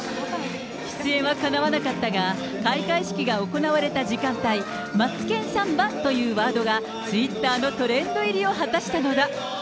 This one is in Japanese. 出演はかなわなかったが、開会式が行われた時間帯、マツケンサンバというワードが、ツイッターのトレンド入りを果たしたのだ。